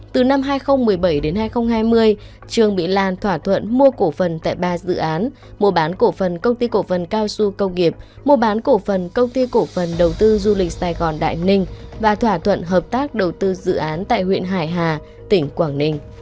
từ năm hai nghìn một mươi bảy đến hai nghìn hai mươi trương mỹ lan thỏa thuận mua cổ phần tại ba dự án mua bán cổ phần công ty cổ phần cao su công nghiệp mua bán cổ phần công ty cổ phần đầu tư du lịch sài gòn đại ninh và thỏa thuận hợp tác đầu tư dự án tại huyện hải hà tỉnh quảng ninh